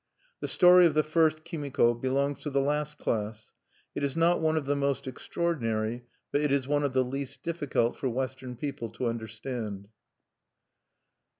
The story of the first Kimiko belongs to the last class. It is not one of the most extraordinary; but it is one of the least difficult for Western people to understand.